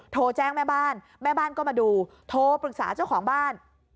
โทรแจ้งแม่บ้านแม่บ้านก็มาดูโทรปรึกษาเจ้าของบ้าน